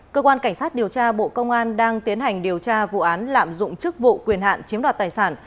cơ quan cảnh sát điều tra bộ công an đang tiến hành điều tra vụ án lạm dụng chức vụ quyền hạn chiếm đoạt tài sản